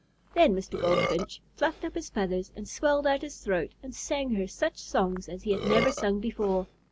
Then Mr. Goldfinch fluffed up his feathers and swelled out his throat and sang her such songs as he had never sung before.